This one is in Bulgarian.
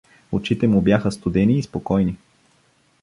Очите му бяха студени и спокойни.